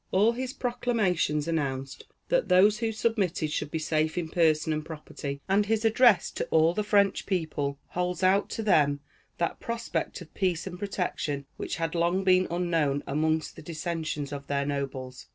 All his proclamations announced that those who submitted should be safe in person and property; and his address to all the French people holds out to them that prospect of peace and protection which had long been unknown amongst the dissensions of their nobles.